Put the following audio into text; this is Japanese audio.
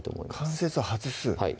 関節を外す？